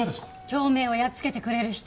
京明をやっつけてくれる人。